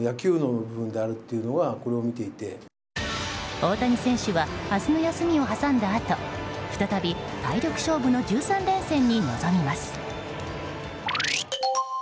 大谷選手は明日の休みを挟んだあと再び、体力勝負の１３連戦に臨みます。